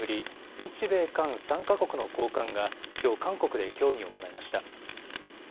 日米韓３か国の高官がきょう韓国で協議を行いました。